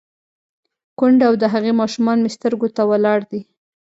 _کونډه او د هغې ماشومان مې سترګو ته ولاړ دي.